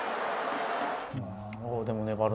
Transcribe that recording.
でも粘るな。